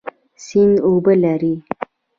سیند اوبه لري